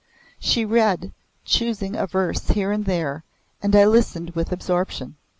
She read, choosing a verse here and there, and I listened with absorption.